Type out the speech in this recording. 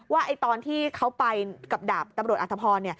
ว่าตอนที่เขาไปกับดาบตำรวจอธพร